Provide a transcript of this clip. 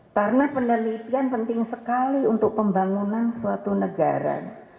karena penelitian penting sekali untuk pembangunan suatu negara